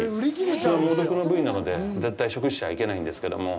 普通は猛毒の部位なので、絶対食しちゃいけないんですけども。